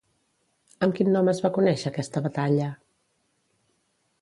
Amb quin nom es va conèixer aquesta batalla?